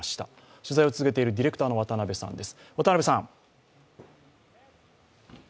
取材を続けているディレクターの渡部さんです。